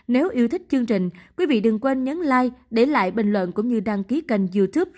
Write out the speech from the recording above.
nếu yêu thích chương trình quý vị đừng quên nhấn like để lại bình luận cũng như đăng ký kênh youtube